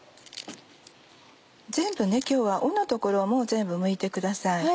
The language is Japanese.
今日は尾の所も全部むいてください。